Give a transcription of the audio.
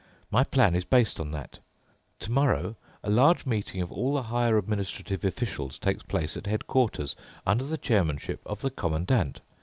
My plan is based on that. Tomorrow a large meeting of all the higher administrative officials takes place at headquarters under the chairmanship of the Commandant.